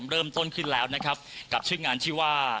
เริ่มต้นขึ้นแล้วนะครับกับชื่องานชื่อว่า